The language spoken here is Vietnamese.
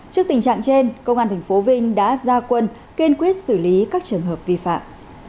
trước tình trạng trên công an tp vinh đã ra quân kiên quyết xử lý các trường hợp vi phạm